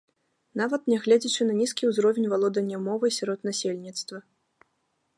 Нават нягледзячы на нізкі ўзровень валодання мовай сярод насельніцтва.